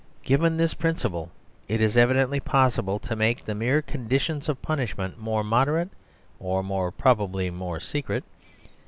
Given this principle, it is evidently possible to make the mere conditions of punishment more moderate, or (more probably) more secret.